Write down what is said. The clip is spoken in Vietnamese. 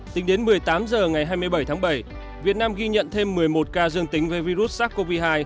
tính đến một mươi tám h ngày hai mươi bảy tháng bảy việt nam ghi nhận thêm một mươi một ca dương tính với virus sars cov hai